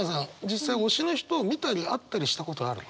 実際推しの人を見たり会ったりしたことある？